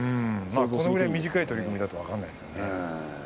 これぐらい短い取組だと分からないですね。